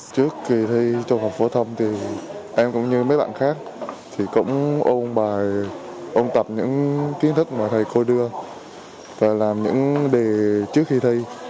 trước kỳ thi trung học phổ thông thì em cũng như mấy bạn khác thì cũng ôn bài ôn tập những kiến thức mà thầy cô đưa và làm những đề trước khi thi